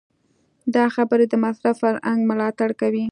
دا خبرې د مصرف فرهنګ ملاتړ کوي.